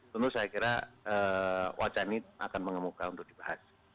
tentu saya kira wacanya akan mengemuka untuk dibahas